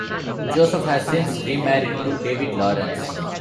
Joseph has since remarried, to David Lawrence.